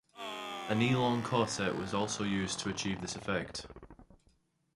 A knee-long corset was also used to achieve this effect.